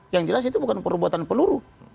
yang jelas itu bukan perbuatan peluru